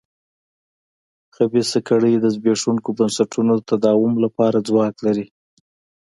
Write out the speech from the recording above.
خبیثه کړۍ د زبېښونکو بنسټونو تداوم لپاره ځواک لري.